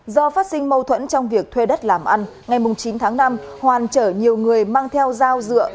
do phát sinh mâu thuẫn trong việc thuê đất làm ăn ngày chín tháng năm hoàn chở nhiều người mang theo dao dựa